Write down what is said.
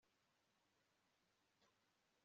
Niba narushijeho guhanga nagerageza kwandika umuziki